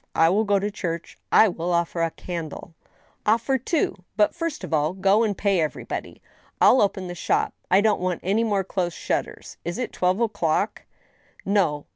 I will go to church, I will offer a candle —"" OflFer two ; but, first of all, go and pay everybody. I'll open the shop. I don't want any more closed shutters. Is it twelve o'clock?" "No."